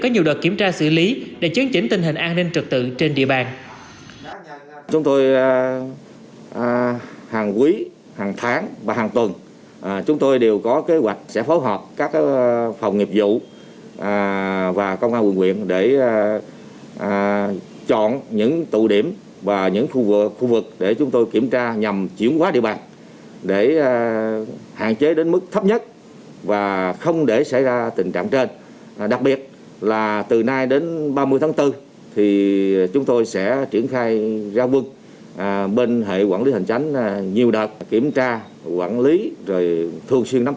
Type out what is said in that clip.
có nhiều đợt kiểm tra xử lý để chấn chỉnh tình hình an ninh trật tự trên địa bàn